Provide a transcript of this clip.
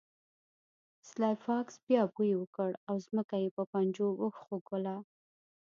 سلای فاکس بیا بوی وکړ او ځمکه یې په پنجو وښکوله